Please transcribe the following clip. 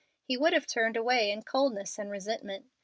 He would have turned away in coldness and resentment.